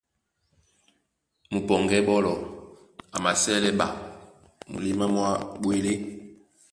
Mupɔŋgɛ́ ɓɔ́lɔ a masɛ́lɛ́ ɓa muléma mwá ɓwelé.